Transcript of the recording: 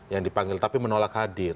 yang dipanggil tapi menolak hadir